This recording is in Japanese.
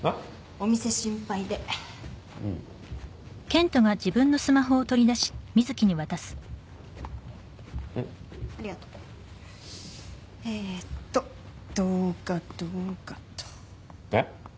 お店心配でおうんっありがとうえーっと動画動画っとえっ？